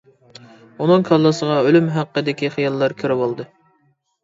ئۇنىڭ كاللىسىغا ئۆلۈم ھەققىدىكى خىياللار كىرىۋالدى.